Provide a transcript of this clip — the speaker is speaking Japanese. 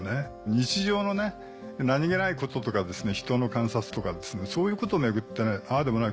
日常の何げないこととか人の観察とかそういうことを巡ってああでもない